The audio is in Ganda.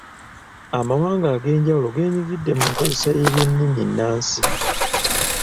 Amawanga ag'enjawulo genyigidde mu nkozesa y'ebyennimi ennansi.